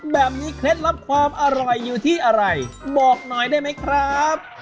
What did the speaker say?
เคล็ดลับความอร่อยอยู่ที่อะไรบอกหน่อยได้ไหมครับ